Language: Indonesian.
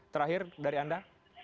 terakhir dari anda